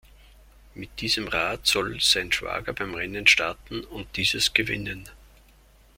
Mit diesem Rad soll sein Schwager beim Rennen starten und dieses gewinnen.